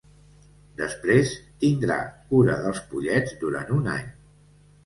Després tindrà cura dels pollets durant un any.